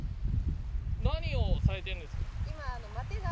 何をされてるんですか？